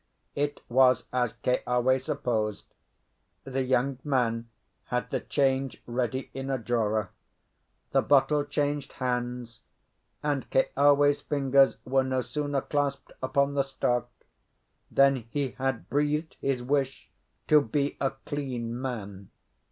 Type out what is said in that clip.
It was as Keawe supposed; the young man had the change ready in a drawer; the bottle changed hands, and Keawe's fingers were no sooner clasped upon the stalk than he had breathed his wish to be a clean man.